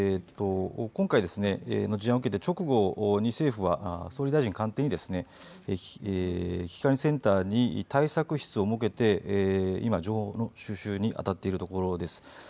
今回ですね事案を受けて直後に政府は総理大臣官邸に危機管理センターに対策室を設けて今、情報の収集に当たっているところです。